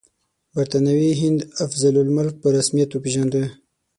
برټانوي هند افضل الملک په رسمیت وپېژانده.